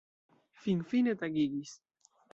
Finfine tagigis!